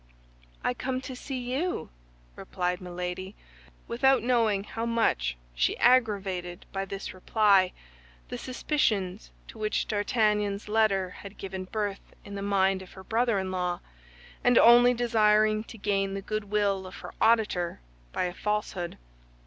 "I come to see you," replied Milady, without knowing how much she aggravated by this reply the suspicions to which D'Artagnan's letter had given birth in the mind of her brother in law, and only desiring to gain the good will of her auditor by a falsehood.